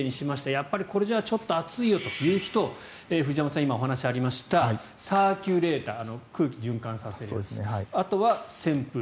やっぱりこれじゃちょっと暑いよという人藤山さんから今、お話がありましたサーキュレーター。